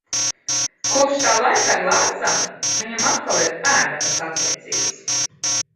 Kopš tā laika ar lēcām viņam atkal ir ēdamas attiecības.